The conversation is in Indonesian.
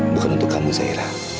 bukan untuk kamu saja